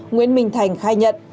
nguyễn minh thành khai nhận